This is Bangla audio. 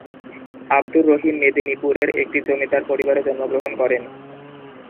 আবদুর রহিম মেদিনীপুরের একটি জমিদার পরিবারে জন্মগ্রহণ করেন।